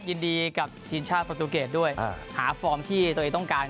ยินดีกับทีมชาติประตูเกรดด้วยหาฟอร์มที่ตัวเองต้องการ